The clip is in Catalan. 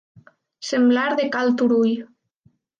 Semblar de cal Turull.